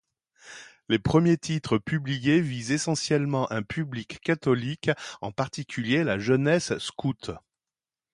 Les premiers titres publiés visent essentiellement un public catholique, en particulier la jeunesse scoute.